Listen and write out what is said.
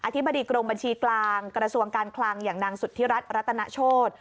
ธิบดีกรมบัญชีกลางกระทรวงการคลังอย่างนางสุธิรัฐรัตนโชธ